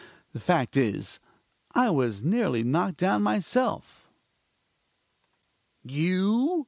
The fact is, I was nearly knocked down myself "You?